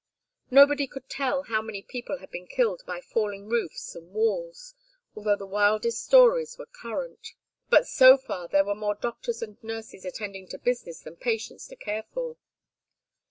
Nobody could tell how many people had been killed by falling roofs and walls, although the wildest stories were current, but so far there were more doctors and nurses attending to business than patients to care for.